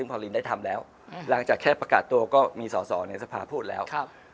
พอลินได้ทำแล้วหลังจากแค่ประกาศตัวก็มีสอสอในสภาพูดแล้ว